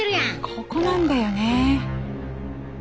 ここなんだよね。